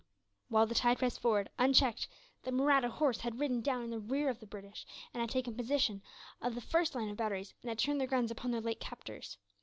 While the tide pressed forward, unchecked, the Mahratta horse had ridden down in the rear of the British; and had taken possession of the first line of batteries, and had turned their guns upon their late captors.